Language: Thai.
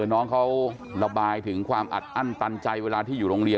น้องเขาระบายถึงความอัดอั้นตันใจเวลาที่อยู่โรงเรียน